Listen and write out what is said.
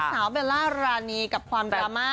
เบลล่ารานีกับความดราม่า